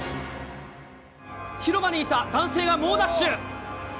広場にいた男性が猛ダッシュ。